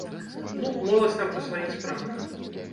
Ну, моладзь там па сваіх справах.